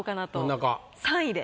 ３位で。